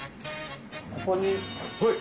ここに。